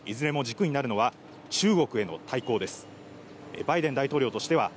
いずれも軸になるのは中国への対抗です。